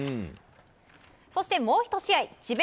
そして、もう１試合智弁